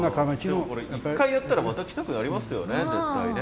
でもこれ１回やったらまた来たくなりますよね絶対ね。